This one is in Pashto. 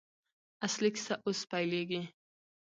اصلي کیسه اوس پیلېږي.